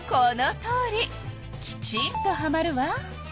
きちんとはまるわ。